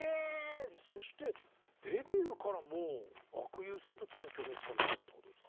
そしてデビューからもう阿久悠さんと筒美京平さんだったってことですか。